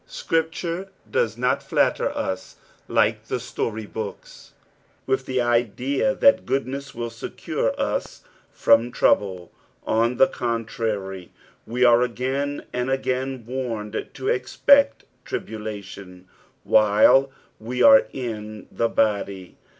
Bcripture does not flatter us like the storybooks with the idea that goodness will secure us from trouble ; on the contrary, we are again and again warned to expect tribulation while we are in this body.